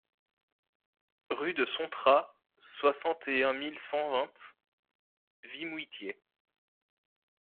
Rue de Sontra, soixante et un mille cent vingt Vimoutiers